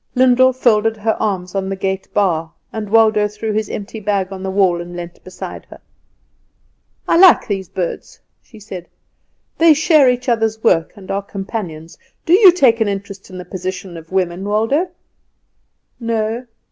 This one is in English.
Lyndall folded her arms on the gate bar, and Waldo threw his empty bag on the wall and leaned beside her. "I like these birds," she said; "they share each other's work, and are companions. Do you take an interest in the position of women, Waldo?" "No."